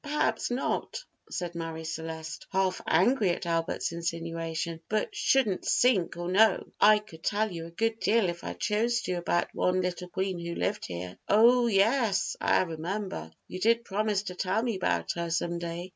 "Perhaps not," said Marie Celeste, half angry at Albert's insinuation; "but 's'ouldn't sink' or no, I could tell you a good deal if I chose to about one little queen who lived here " "Oh, yes, I remember. You did promise to tell me 'bout her some day.